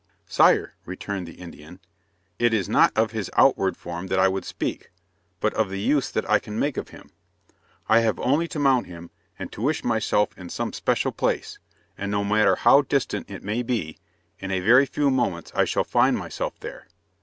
"Sire," returned the Indian, "it is not of his outward form that I would speak, but of the use that I can make of him. I have only to mount him, and to wish myself in some special place, and no matter how distant it may be, in a very few moments I shall find myself there.